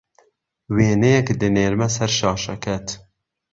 وێنەیەک دەنێرمه سەر شاشەکەت